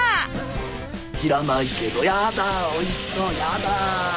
「知らないけどやだおいしそうやだ」